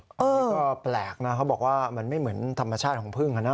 อันนี้ก็แปลกนะเขาบอกว่ามันไม่เหมือนธรรมชาติของพึ่งนะ